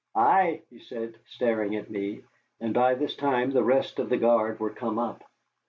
"Ay," he said, staring at me, and by this time the rest of the guard were come up.